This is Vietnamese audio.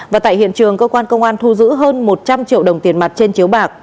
và tại hiện trường cơ quan công an thu giữ hơn một trăm linh triệu đồng tiền mặt trên chiếu bạc